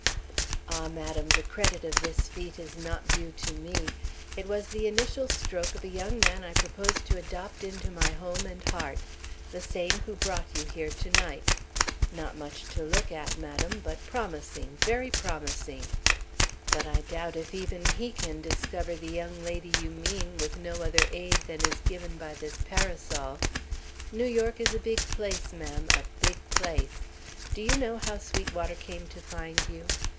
"Ah, madam, the credit of this feat is not due to me. It was the initial stroke of a young man I propose to adopt into my home and heart; the same who brought you here to night. Not much to look at, madam, but promising, very promising. But I doubt if even he can discover the young lady you mean, with no other aid than is given by this parasol. New York is a big place, ma'am, a big place. Do you know how Sweetwater came to find you?